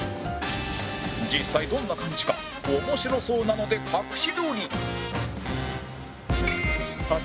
実際どんな感じか面白そうなので隠し撮り